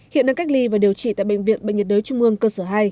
hiện đang cách ly và điều trị tại bệnh viện bệnh nhiệt đới trung ương cơ sở hai